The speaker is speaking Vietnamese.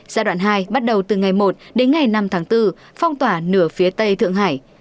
giai đoạn hai bắt đầu từ ngày một đến ngày năm tháng bốn phong tỏa nửa phía tây thượng hải